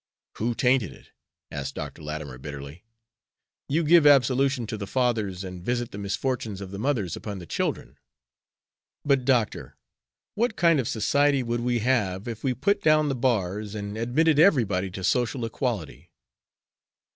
"Who tainted it?" asked Dr. Latimer, bitterly. "You give absolution to the fathers, and visit the misfortunes of the mothers upon the children." "But, Doctor, what kind of society would we have if we put down the bars and admitted everybody to social equality?"